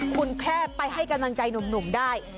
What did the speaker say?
คุณแค่ไปให้กำลังใจหนุ่มได้